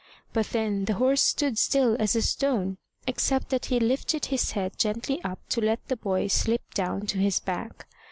But then the horse stood as still as a stone, except that he lifted his head gently up to let the boy slip down to his back.